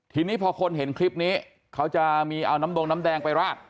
ทีนี้พอคนเห็นคลิปนี้เขาจะมีเอาน้ำดงน้ำแดงไปราด